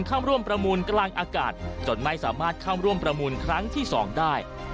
เข้าร่วมประมูลกลางอากาศจนไม่สามารถเข้าร่วมประมูลครั้งที่๒ได้